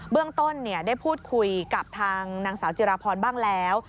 เรื่องต้นได้พูดคุยกับทางนางสาวจิราพรบ้างแล้ว